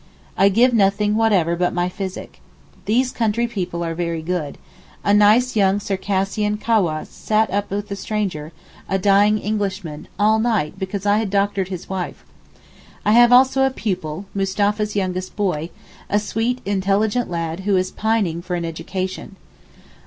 I give nothing whatever but my physick. These country people are very good. A nice young Circassian Cawass sat up with a stranger, a dying Englishman, all night because I had doctored his wife. I have also a pupil, Mustapha's youngest boy, a sweet intelligent lad who is pining for an education.